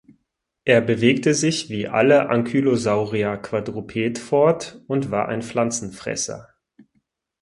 Er bewegte sich wie alle Ankylosaurier quadruped fort und war ein Pflanzenfresser.